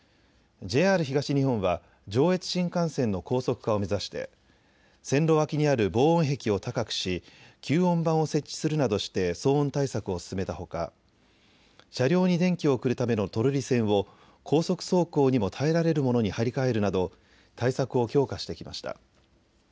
ＪＲ東日本は上越新幹線の高速化を目指して線路脇にある防音壁を高くし吸音板を設置するなどして騒音対策を進めたほか車両に電気を送るためのトロリ線を高速走行にも耐えられるものに張り替えるなど対策を強化してきました。